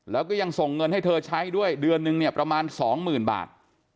แล้วก็ยังส่งเงินให้เธอใช้ด้วยเดือนนึงเนี่ยประมาณสองหมื่นบาท